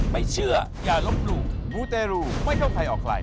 ไม่เชื่ออย่ารบหลู่มุเตหลู่ไม่เท่าใครออกไฟ